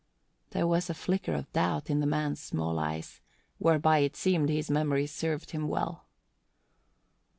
There was a flicker of doubt in the man's small eyes, whereby it seemed his memory served him well.